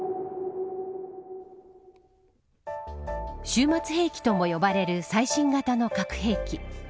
終末兵器とも呼ばれる最新型の核兵器。